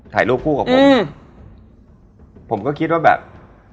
ถ่ายรูปคู่กับผม